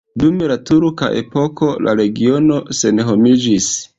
Dum la turka epoko la regiono senhomiĝis.